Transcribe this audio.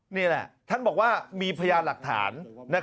นี่แหละท่านบอกว่ามีพยานหลักฐาน